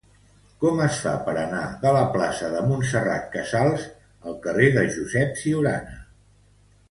Com es fa per anar de la plaça de Montserrat Casals al carrer de Josep Ciurana?